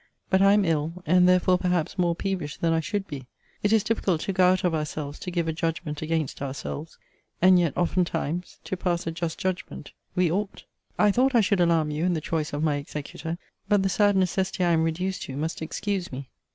But I am ill; and therefore perhaps more peevish than I should be. It is difficult to go out of ourselves to give a judgment against ourselves; and yet, oftentimes, to pass a just judgment, we ought. I thought I should alarm you in the choice of my executor. But the sad necessity I am reduced to must excuse me.